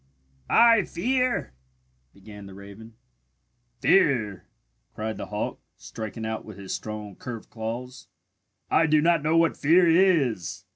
"I fear " began the raven. "Fear?" cried the hawk, striking out with his strong curved claws. "I do not know what fear is!